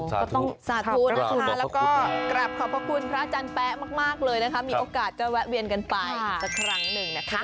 ก็ต้องสาธุนะคะแล้วก็กลับขอบพระคุณพระอาจารย์แป๊ะมากเลยนะคะมีโอกาสจะแวะเวียนกันไปอีกสักครั้งหนึ่งนะคะ